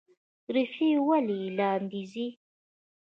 ریښې ولې لاندې ځي؟